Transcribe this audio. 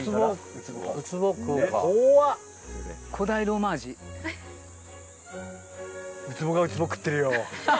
ウツボがウツボ食ってるよ。